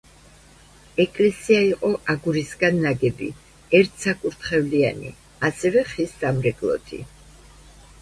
ეკლესია იყო აგურისგან ნაგები, ერთსაკურთხევლიანი, ასევე ხის სამრეკლოთი.